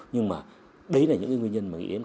nhưng mà đấy là những cái nguyên nhân mà nghĩ đến